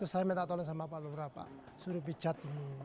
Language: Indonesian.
saya minta tolong sama pak lura suruh pijat